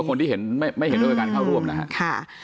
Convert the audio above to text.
ก็คนที่ไม่เห็นด้วยการเข้าร่วมนะครับ